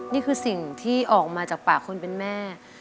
นี่คือสิ่งที่ออกมาจากปากคนเป็นแม่